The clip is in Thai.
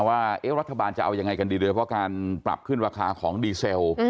ว่ารัฐบาลจะเอายังไงกันดีเลยเพราะการปรับขึ้นราคาของดีเซล